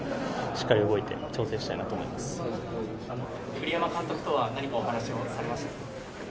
栗山監督とは何かお話をされました？